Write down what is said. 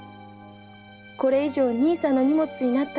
これ以上兄さんのお荷物になったら。